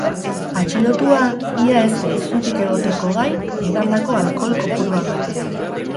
Atxilotua ia ez zen zutik egoteko gai edandako alkohol kopuruagatik.